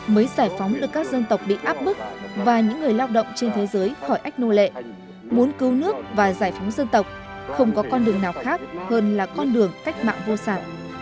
mới giải phóng được các dân tộc bị áp bức và những người lao động trên thế giới khỏi ách nô lệ muốn cứu nước và giải phóng dân tộc không có con đường nào khác hơn là con đường cách mạng vô sản